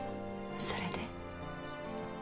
それで？